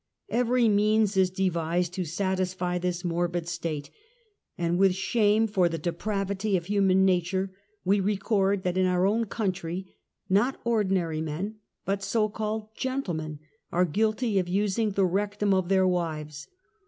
Every means is devised to satisfy this morbid state, and with shame for the depravity of human nature we record that in our own country not ordinary men, but so called gentlemen, are guilty of using the rectum of their wives.